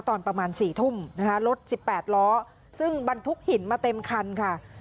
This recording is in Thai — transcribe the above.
ตอนประมาณ๔ทุ่มนะคะรถ๑๘ล้อซึ่งบรรทุกหินมาเต็มคันค่ะ